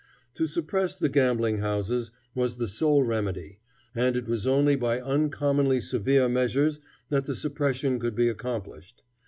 To suppress the gambling houses was the sole remedy, and it was only by uncommonly severe measures that the suppression could be accomplished.